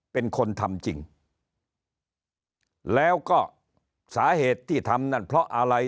เป็นคนทำจริงแล้วก็สาเหตุที่ทำนั่นเพราะอะไร